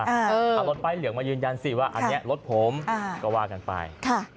เอารถป้ายเหลืองมายืนยันสิว่าอันนี้รถผมก็ว่ากันไป